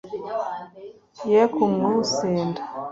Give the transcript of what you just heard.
ye kumusenda